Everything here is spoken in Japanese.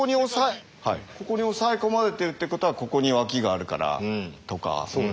ここに押さえ込まれてるってことはここに脇があるからとか。